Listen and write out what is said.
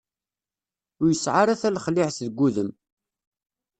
Ur isɛa ara talexliɛt deg udem.